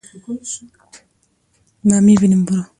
دغه کار د تولید د ټاکل شوي هدف مخه نیوله.